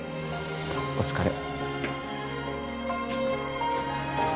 お疲れ。